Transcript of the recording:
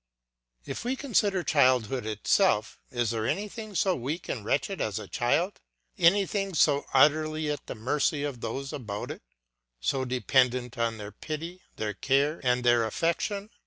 If we consider childhood itself, is there anything so weak and wretched as a child, anything so utterly at the mercy of those about it, so dependent on their pity, their care, and their affection?